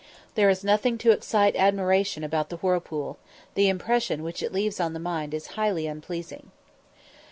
There is nothing to excite admiration about the whirlpool; the impression which it leaves on the mind is highly unpleasing.